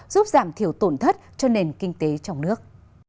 giúp giảm thiểu tổn thất cho nền kinh tế trong nước